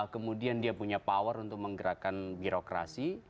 kemudian dia punya power untuk menggerakkan birokrasi